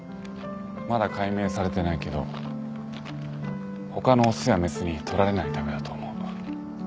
まだ解明されてないけど他の雄や雌に取られないためだと思う。